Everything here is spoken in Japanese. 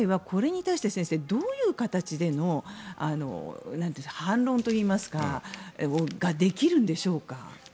これに対してどういう形での反論ができるんでしょうか。